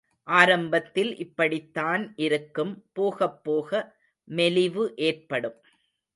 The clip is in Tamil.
ஆரம்பத்தில் இப்படித்தான் இருக்கும், போகப்போக மெலிவு ஏற்படும்.